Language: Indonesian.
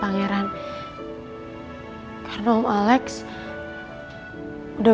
pangeran gue gak akan